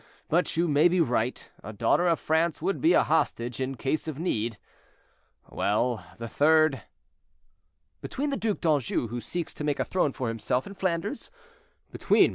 But you may be right; a daughter of France would be a hostage in case of need. Well, the third?" "Between the Duc d'Anjou, who seeks to make a throne for himself in Flanders, between MM.